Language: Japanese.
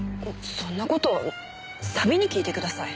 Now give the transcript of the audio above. そんな事サビに聞いてください。